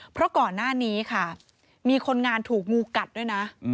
เพราะก่อนหน้านี้ค่ะมีคนงานถูกงูกัดด้วยนะ